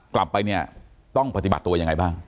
กลับไปเนี่ยต้องปฏิบัติตัวยังไงบ้าง